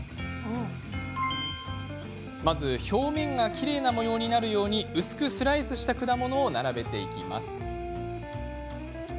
まず、表面がきれいな模様になるように薄くスライスした果物を並べていきます。